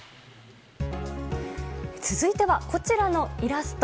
続いては、こちらのイラスト。